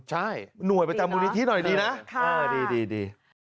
ใช่หน่วยประจำมูลนิธิหน่อยดีนะดี